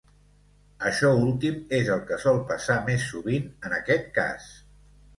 Això últim és el que sol passar més sovint en aquest cas.